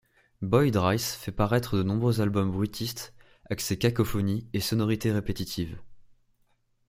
Boyd Rice fait paraître de nombreux albums bruitistes axés cacophonies et sonorités répétitives.